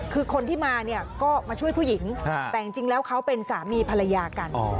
คือคนที่มาเนี่ยก็มาช่วยผู้หญิงแต่จริงแล้วเขาเป็นสามีภรรยากัน